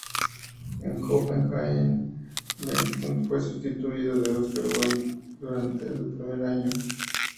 En Copenhague, Bengtsson fue sustituto de Oscar Wendt durante su primer medio año.